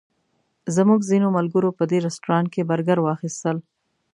زموږ ځینو ملګرو په دې رسټورانټ کې برګر واخیستل.